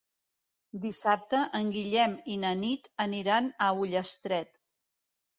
Dissabte en Guillem i na Nit aniran a Ullastret.